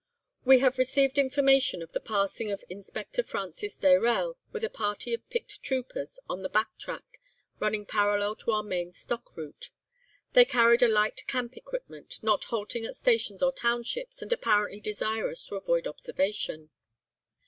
"We had received information of the passing of Inspector Francis Dayrell, with a party of picked troopers, on a back track, running parallel to our main stock route. They carried a light camp equipment, not halting at stations or townships and apparently desirous to avoid observation.